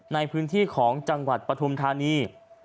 ในพื้นที่ของจังหวัดปฐุมธานี